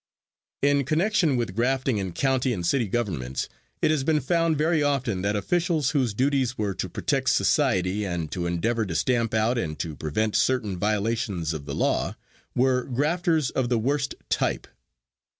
In connection with grafting in county and city governments, it has been found very often that officials whose duties were to protect society, and to endeavor to stamp out and to prevent certain violations of the law, were grafters of the worst type.